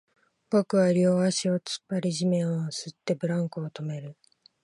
僕は両足を突っ張り、地面を擦って、ブランコを止める